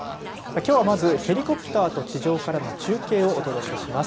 きょうはまず、ヘリコプターと地上からの中継をお届けします。